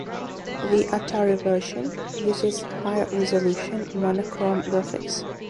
The Atari version uses high resolution monochrome graphics.